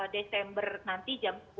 desember nanti jam sepuluh